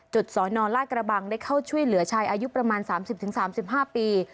สนลาดกระบังได้เข้าช่วยเหลือชายอายุประมาณ๓๐๓๕ปี